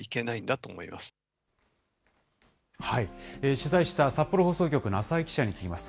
取材した札幌放送局の浅井記者に聞きます。